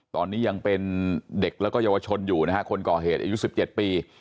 ตอนนี้ยังเป็นเด็กแล้วก็เยาวชนอยู่นะฮะคนก่อเหตุอายุ๑๗ปี